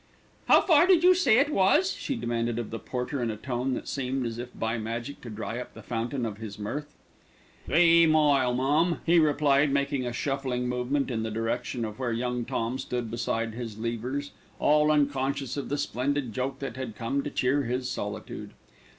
"How far did you say it was?" she demanded of the porter in a tone that seemed, as if by magic, to dry up the fountain of his mirth. "Three mile, mum," he replied, making a shuffling movement in the direction of where Young Tom stood beside his levers, all unconscious of the splendid joke that had come to cheer his solitude.